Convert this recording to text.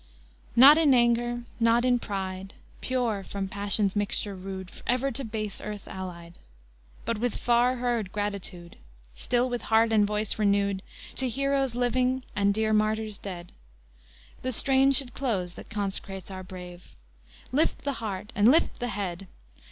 XI Not in anger, not in pride, Pure from passion's mixture rude Ever to base earth allied, But with far heard gratitude, Still with heart and voice renewed, To heroes living and dear martyrs dead, The strain should close that consecrates our brave. Lift the heart and lift the head!